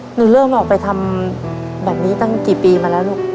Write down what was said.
หนูเริ่มออกไปทำแบบนี้ตั้งกี่ปีมาแล้วลูก